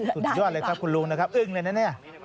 สุดยอดเลยครับคุณลุงนะครับอึ้งเลยนะเนี่ย